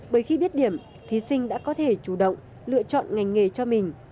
bởi khi biết điểm thí sinh đã có thể chủ động lựa chọn ngành nghề cho mình